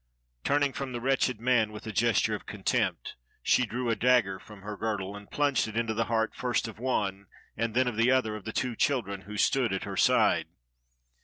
Turning from the wretched man with a gesture of contempt, she drew a dagger from her girdle and plunged it into the heart first of one and then of the other of the two children who stood at her side.